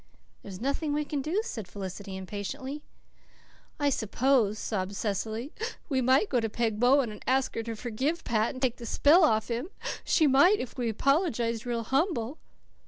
"There's nothing we can do," said Felicity impatiently. "I suppose," sobbed Cecily, "we might go to Peg Bowen and ask her to forgive Pat and take the spell off him. She might, if we apologized real humble."